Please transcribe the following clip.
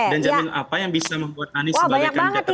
dan jamin apa yang bisa membuat anies sebagai kandidat terbaik